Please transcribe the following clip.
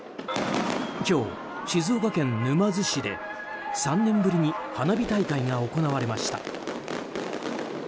今日、静岡県沼津市で３年ぶりに花火大会が行われました。